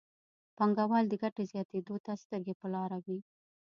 پانګوال د ګټې زیاتېدو ته سترګې په لاره وي.